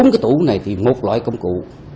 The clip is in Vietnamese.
bốn cái tủ này thì một loại công cụ